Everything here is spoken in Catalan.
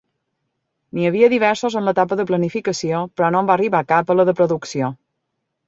N'hi havia diversos en l'etapa de planificació, però no en va arribar cap a la de producció.